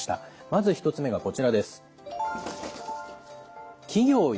まず１つ目がこちらです。